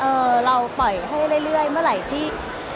เราปล่อยให้เรื่อยเมื่อไหร่ที่